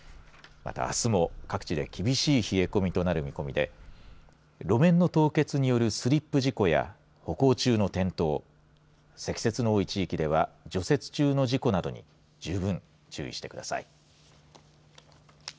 また、あすも各地で厳しい冷え込みとなる見込みで路面の凍結によるスリップ事故や歩行中の転倒積雪の多い地域では除雪中の事故などに十分、注意してください。